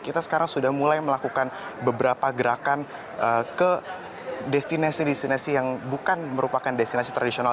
kita sekarang sudah mulai melakukan beberapa gerakan ke destinasi destinasi yang bukan merupakan destinasi tradisional